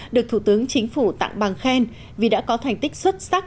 được thủ tướng chính phủ tặng bằng khen vì đã có thành tích xuất sắc